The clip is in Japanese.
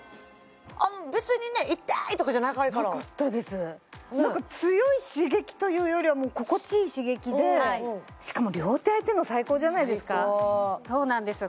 別にねいったーいとかじゃないからなかったですなんか強い刺激というよりは心地いい刺激でしかも両手あいてんの最高じゃないですか最高そうなんですよ